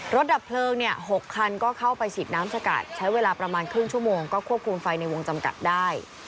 ดับเพลิง๖คันก็เข้าไปฉีดน้ำสกัดใช้เวลาประมาณครึ่งชั่วโมงก็ควบคุมไฟในวงจำกัดได้